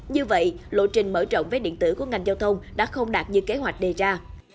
như vậy lộ trình mở rộng vé điện tử của ngành giao thông đã không đạt như kế hoạch đề ra